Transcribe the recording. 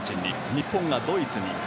日本がドイツに。